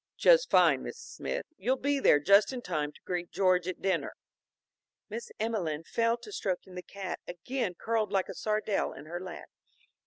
"Just fine, Mrs. Smith. You'll be there just in time to greet George at dinner." Miss Emelene fell to stroking the cat, again curled like a sardelle in her lap.